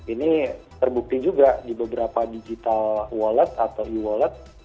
ini terbukti juga di beberapa digital wallet atau e wallet